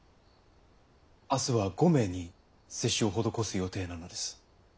明日は５名に接種を施す予定なのです。